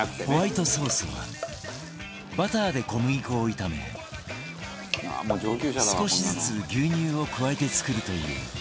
ホワイトソースはバターで小麦粉を炒め少しずつ牛乳を加えて作るという